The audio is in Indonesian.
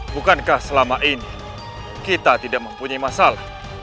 bukankah selama ini kita tidak mempunyai masalah